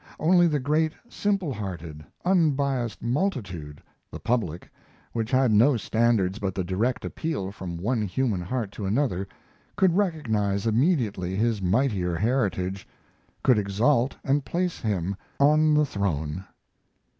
Only the great, simple hearted, unbiased multitude, the public, which had no standards but the direct appeal from one human heart to another, could recognize immediately his mightier heritage, could exalt and place him on the throne.